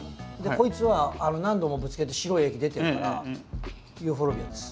こいつは何度もぶつけて白い液出てるからユーフォルビアです。